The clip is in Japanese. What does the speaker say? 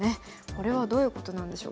これはどういうことなんでしょうか。